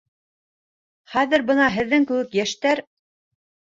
Хәҙер бына һеҙҙең кеүек йәштәр: